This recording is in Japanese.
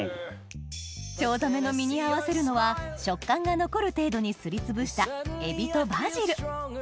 チョウザメの身に合わせるのは食感が残る程度にすりつぶしたエビとバジル